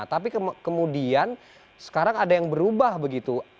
tapi kemudian sekarang ada yang berubah begitu